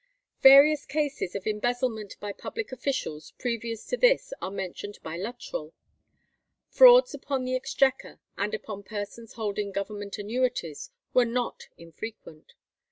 Various cases of embezzlement by public officials previous to this are mentioned by Luttrell. Frauds upon the Exchequer, and upon persons holding Government annuities, were not infrequent.